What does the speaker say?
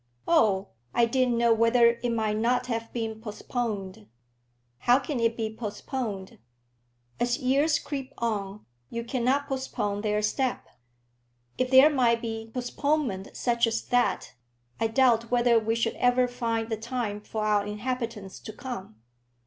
"Oh, I didn't know whether it might not have been postponed." "How can it be postponed? As years creep on, you cannot postpone their step. If there might be postponement such as that, I doubt whether we should ever find the time for our inhabitants to come.